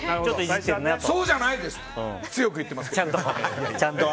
そうじゃないですと強く言っていますけどね。